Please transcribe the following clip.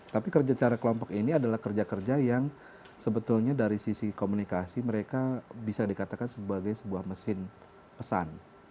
tapi kerja cara kelompok ini adalah kerja kerja yang sebetulnya dari sisi komunikasi mereka bisa dikatakan sebagai sebuah mesin pesan